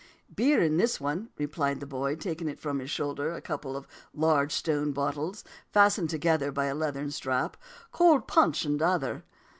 "Beer in this one," replied the boy, taking from his shoulder a couple of large stone bottles, fastened together by a leathern strap, "cold punch in t'other."